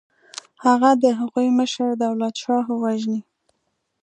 هغه د هغوی مشر دولتشاهو وژني.